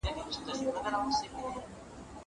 زه اوږده وخت کالي پرېولم وم!